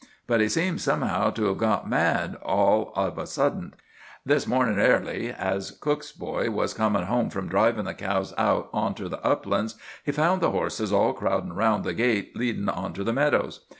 But he seems somehow to've gone mad all on a suddent. This mornin' airly, as Cook's boy was comin' home from drivin' the cows out onter the uplands, he found the horses all crowdin' roun' the gate leadin' onter the meadows.